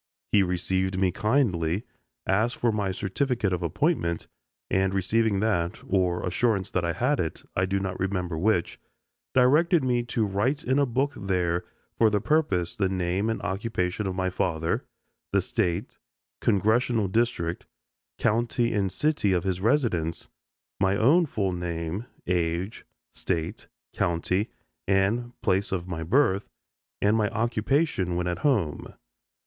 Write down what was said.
He received me kindly, asked for my certificate of appointment, and receiving that or assurance that I had it I do not remember which directed me to write in a book there for the purpose the name and occupation of my father, the State, Congressional district, county and city of his residence, my own full name, age, State, county, and place of my birth, and my occupation when at home.